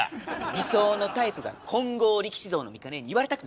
理想のタイプが金剛力士像のミカ姉に言われたくないわ！